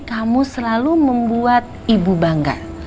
kamu selalu membuat ibu bangga